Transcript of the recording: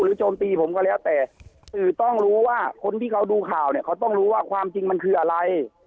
โจมตีผมก็แล้วแต่สื่อต้องรู้ว่าคนที่เขาดูข่าวเนี่ยเขาต้องรู้ว่าความจริงมันคืออะไร